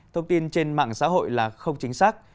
thông tin trên mạng xã hội là không chính xác